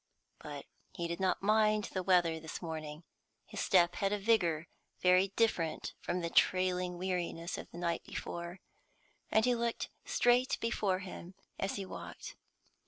But he did not mind the weather this morning. His step had a vigour very different from the trailing weariness of the night before, and he looked straight before him as he walked.